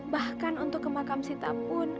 bahkan untuk ke makam sita pun